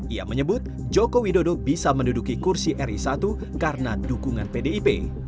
ia menyebut joko widodo bisa menduduki kursi ri satu karena dukungan pdip